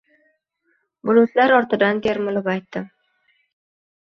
Bulutlar ortidan termilib aytdim